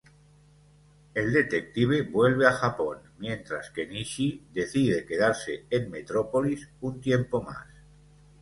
El detective vuelve a Japón mientras Kenichi decide quedarse en Metrópolis un tiempo más.